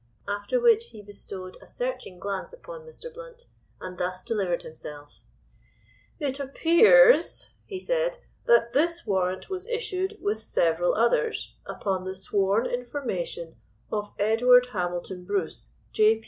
After which he bestowed a searching glance upon Mr. Blount, and thus delivered himself: "It appears," he said, "that this warrant was issued, with several others, upon the sworn information of Edward Hamilton Bruce, J.